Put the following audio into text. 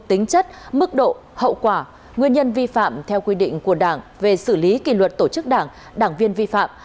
tính chất mức độ hậu quả nguyên nhân vi phạm theo quy định của đảng về xử lý kỷ luật tổ chức đảng đảng viên vi phạm